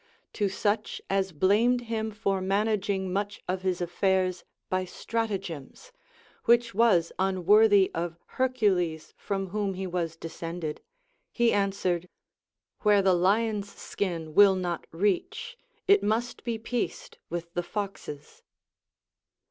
To such as blamed him for managing much of his affairs by stratagems, which Avas unworthy of Hercules from whom he was descended, he answered, Where the lion's skin will not reach, it must be pieced with the fox's.